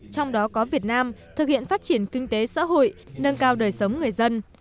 trong đó có việt nam thực hiện phát triển kinh tế xã hội nâng cao đời sống người dân